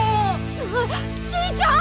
ああじいちゃん！